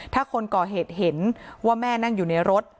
ถ้าคนก่อเหตุเห็นว่าแม่นั่งอยู่ในรถ